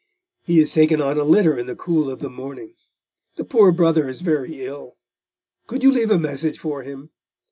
He was taken on a litter in the cool of the morning. The poor Brother is very ill. Could you leave a message for him?"